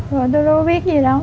tôi đâu có biết gì đâu